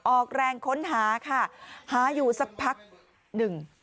ออกแรงค้นหาค่ะหาอยู่สักพักหนึ่ง